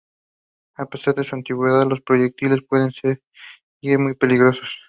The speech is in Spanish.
A pesar de su antigüedad, los proyectiles pueden seguir siendo muy peligrosos.